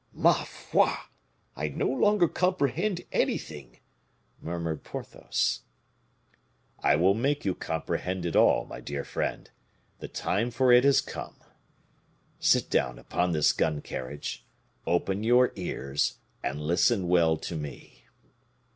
"Ma foi! I no longer comprehend anything," murmured Porthos. "I will make you comprehend it all, my dear friend; the time for it has come; sit down upon this gun carriage, open your ears, and listen well to me."